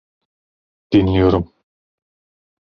Dinliyorum.